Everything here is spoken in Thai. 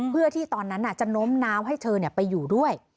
เพื่อที่ตอนนั้นจะโน้มน้าวให้เธอไปอยู่ด้วย